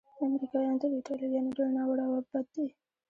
امریکایان تر ایټالویانو ډېر ناوړه او بد دي.